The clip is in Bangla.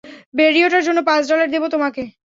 রেডিওটার জন্য পাঁচ ডলার দেবো তোমাকে।